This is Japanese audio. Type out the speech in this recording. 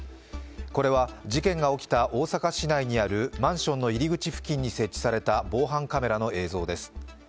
これは、事件が起きた大阪市内にあるマンションの入り口付近に設置された防犯カメラの映像です。